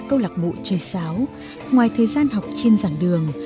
câu lạc bộ chơi sáo ngoài thời gian học trên dạng đường